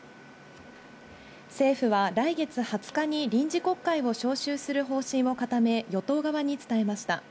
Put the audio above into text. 政府は、来月２０日に臨時国会を召集する方針を固め、与党側に伝えました。